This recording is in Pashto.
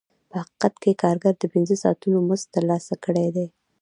په حقیقت کې کارګر د پنځه ساعتونو مزد ترلاسه کړی دی